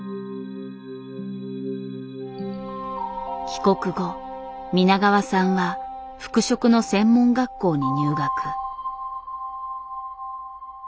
帰国後皆川さんは服飾の専門学校に入学。